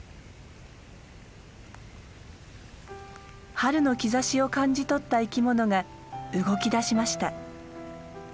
春の兆しを感じ取った生きものが動きだしました。